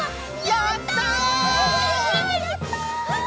やった！